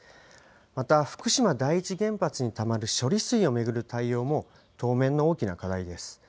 また、福島第一原発にたまる処理水を巡る対応も、当面の大きな課題です。